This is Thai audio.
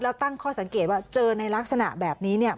แล้วตั้งข้อสังเกตว่าเจอในลักษณะแบบนี้เนี่ย